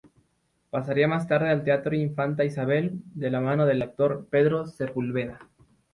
Pasaría más tarde al Teatro Infanta Isabel, de la mano del actor Pedro Sepúlveda.